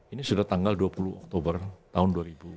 ini sudah tanggal dua puluh oktober tahun dua ribu dua puluh